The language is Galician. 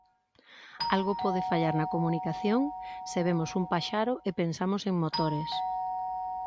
Algo pode fallar na comunicación se vemos un paxaro e pensamos en motores.